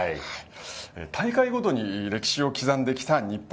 大会ごとに歴史を刻んできた日本